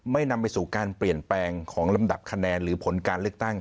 นำไปสู่การเปลี่ยนแปลงของลำดับคะแนนหรือผลการเลือกตั้ง